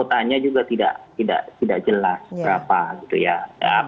kotanya juga tidak jelas berapa gitu ya